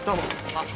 あっ。